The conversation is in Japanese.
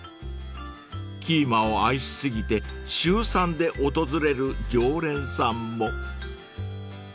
［キーマを愛し過ぎて週３で訪れる常連さんも］